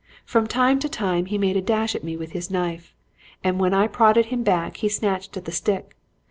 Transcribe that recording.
From time to time he made a dash at me with his knife, and when I prodded him back, he snatched at the stick.